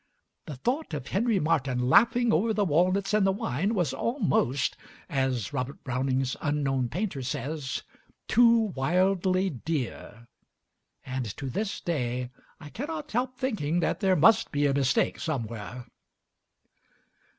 The thought of Henry Martyn laughing over the walnuts and the wine was almost, as Robert Browning's unknown painter says, "too wildly dear;" and to this day I cannot help thinking that there must be a mistake somewhere.